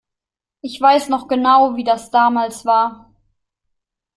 Ich weiß noch genau, wie das damals war.